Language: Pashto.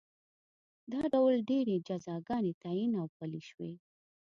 دا ډول ډېرې جزاګانې تعین او پلې شوې